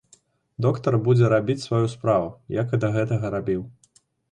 Доктар будзе рабіць сваю справу, як і да гэтага рабіў.